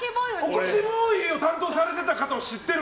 起こしボーイを担当されてた方を知ってる？